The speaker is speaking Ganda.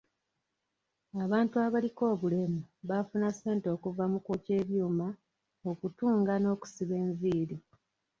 Abantu abaliko obulemu baafuna ssente okuva mu kwokya ebyuma, okutunga n'okusiba enviiri.